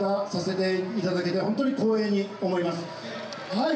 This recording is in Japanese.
はい。